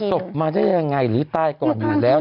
แต่สบมาได้อย่างไรหรือตายก่อนอยู่แล้ว